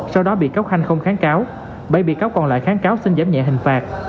sau đó bị cáo khanh không kháng cáo bảy bị cáo còn lại kháng cáo xin giảm nhẹ hình phạt